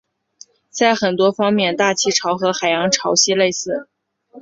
在很多方面大气潮和海洋潮汐类似。